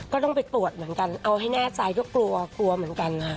ก็ต้องไปตรวจเหมือนกันเอาให้แน่ใจก็กลัวกลัวเหมือนกันค่ะ